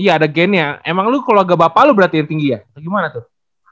iya ada gennya emang lu keluarga bapak lu berarti yang tinggi ya atau gimana tuh